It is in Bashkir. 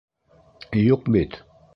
Юҡ бит!